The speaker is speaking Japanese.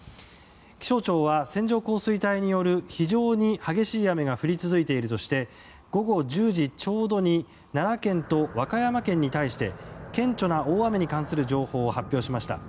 気象庁は線状降水帯による非常に激しい雨が降り続いているとして午後１０時ちょうどに奈良県と和歌山県に対して顕著な大雨に関する情報を発表しました。